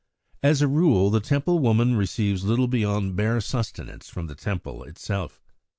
As a rule the Temple woman receives little beyond bare sustenance from the Temple itself.